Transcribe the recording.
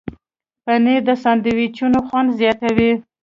پنېر د ساندویچونو خوند زیاتوي.